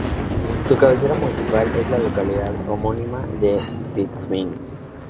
Su cabecera municipal es la localidad homónima de Tizimín.